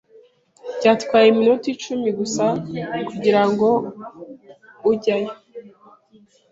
Byatwaye iminota icumi gusa kugirango ujyayo.